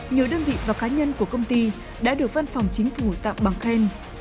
nhiều đơn vị và cá nhân của công ty đã được văn phòng chính phủ tặng bằng khen